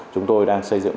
chúng tôi đang xây dựng